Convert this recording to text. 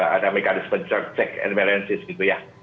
ada mekanisme check and balances gitu ya